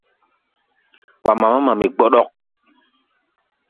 Wa mamá mami gbɔɗɔk.